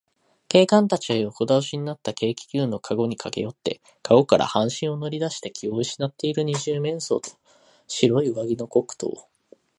警官たちは横だおしになった軽気球のかごにかけよって、かごから半身を乗りだして気をうしなっている二十面相と、白い上着のコックとを、